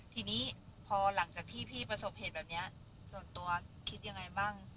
ทีนี้พอหลังจากที่พี่ประสบเหตุแบบนี้ส่วนตัวคิดยังไงบ้าง